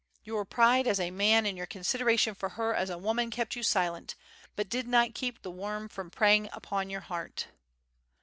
Your pride as a man and your consideration for her as a woman kept you silent, but did not keep the worm from preying upon your heart.